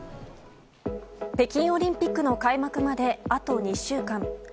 北京オリンピックの開幕まであと２週間。